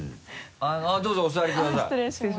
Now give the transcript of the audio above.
どうぞお座りください。